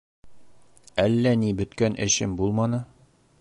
— Әллә ни бөткән эшем булманы.